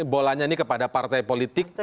bolanya ini kepada partai politik